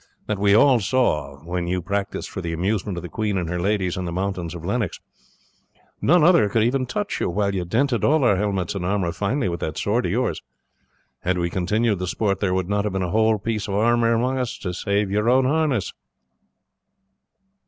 That we all saw when you practiced for the amusement of the queen and her ladies in the mountains of Lennox. None other could even touch you, while you dented all our helmets and armour finely with that sword of yours. Had we continued the sport there would not have been a whole piece of armour among us save your own harness."